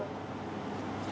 đảo sông tử tây